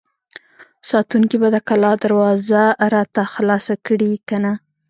ساتونکي به د کلا دروازه راته خلاصه کړي که نه!